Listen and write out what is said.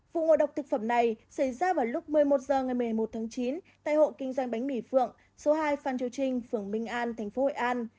vụ ngộ độc thực phẩm này xảy ra vào lúc một mươi một h ngày một mươi một tháng chín tại hộ kinh doanh bánh mì phượng số hai phan châu trinh phường minh an tp hội an